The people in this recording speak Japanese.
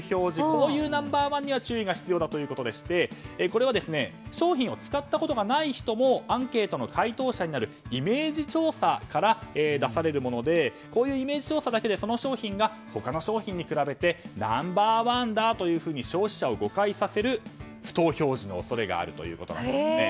こういうナンバー１には注意が必要ということでしてこれは商品を使ったことがない人もアンケートの回答者になるイメージ調査から出されるものでイメージ調査だけでこの商品が他の商品に比べてナンバー１だと消費者を誤解させる不当表示の恐れがあるということですね。